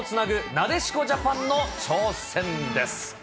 なでしこジャパンの挑戦です。